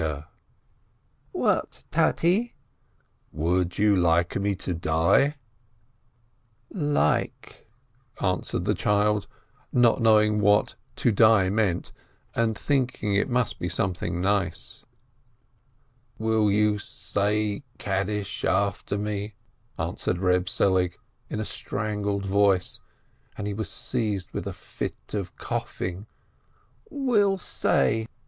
"What, Tate?" "Would you like me to die?" "Like," answered the child, not knowing what "to die" meant, and thinking it must be something nice. 426 RAISIN "Will you say Kaddish after me?" asked Eeb Selig, in a strangled voice, and he was seized with a fit of coughing. "Will say